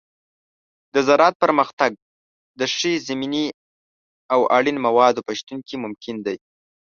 د زراعت پرمختګ د ښې زمینې او اړین موادو په شتون کې ممکن دی.